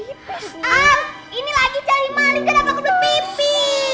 al ini lagi cari maling kenapa belot pipi